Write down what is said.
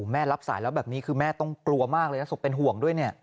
แม่รับสายแล้วแบบนี้คือแม่ต้องกลัวมากเลยนะศพเป็นห่วงด้วยเนี่ย